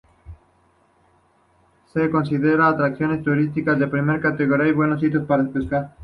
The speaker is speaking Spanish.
Se consideran atracciones turísticas de primera categoría y buenos sitios para pescar.